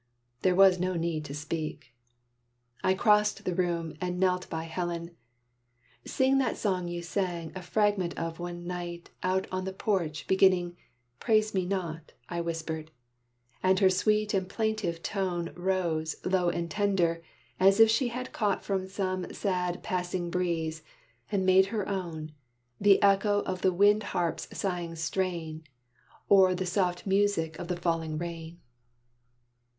There was no need to speak. I crossed the room, and knelt by Helen. "Sing That song you sang a fragment of one night, Out on the porch, beginning, 'Praise me not,'" I whispered: and her sweet and plaintive tone Rose, low and tender, as if she had caught From some sad passing breeze, and made her own, The echo of the wind harp's sighing strain, Or the soft music of the falling rain.